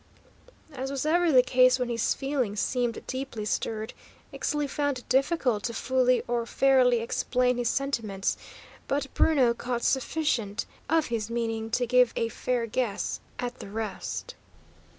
As was ever the case when his feeling seemed deeply stirred, Ixtli found it difficult to fully or fairly explain his sentiments; but Bruno caught sufficient of his meaning to give a fair guess at the rest.